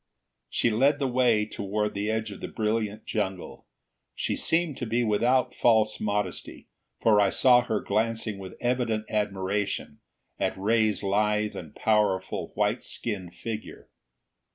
She led the way toward the edge of the brilliant jungle. She seemed to be without false modesty, for I saw her glancing with evident admiration at Ray's lithe and powerful white skinned figure.